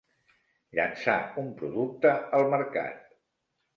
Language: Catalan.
Llançar un producte al mercat.